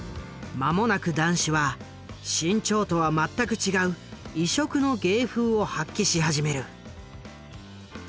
間もなく談志は志ん朝とは全く違う異色の芸風を発揮し始める。